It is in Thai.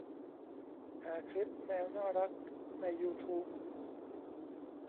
หาคลิปแมวน่ารักในยูทูบ